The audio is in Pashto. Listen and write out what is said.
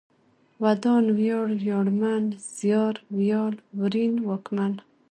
ودان ، وياړ ، وياړمن ، زيار، ويال ، ورين ، واکمن